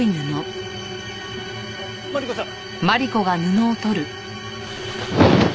マリコさん！